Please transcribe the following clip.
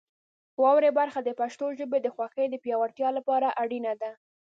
واورئ برخه د پښتو ژبې د خوښۍ د پیاوړتیا لپاره اړینه ده.